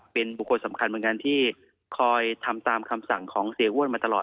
เป็นบุคคลสำคัญเหมือนกันที่คอยทำตามคำสั่งของเสียอ้วนมาตลอด